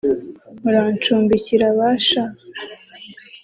murancumbikira ba sha